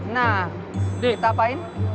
nah kita apaan